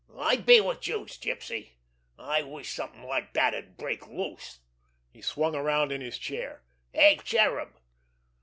I'd be wid youse, Gypsy. I wish something like dat'd break loose." He swung around in his chair. "Eh, Cherub?"